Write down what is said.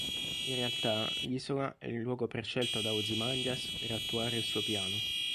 In realtà l'isola è il luogo prescelto da Ozymandias per attuare il suo piano.